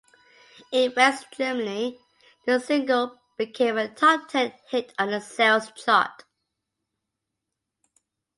In West Germany, the single became a top ten hit on the sales chart.